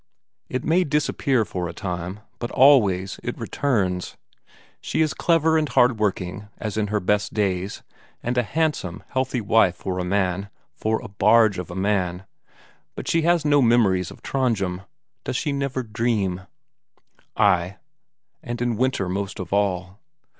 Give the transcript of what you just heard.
It may disappear for a time, but always it returns. She is clever and hard working as in her best days, and a handsome, healthy wife for a man, for a barge of a man but has she no memories of Trondhjem; does she never dream? Ay, and in winter most of all.